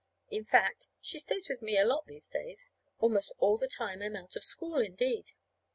In fact, she stays with me a lot these days almost all the time I'm out of school, indeed.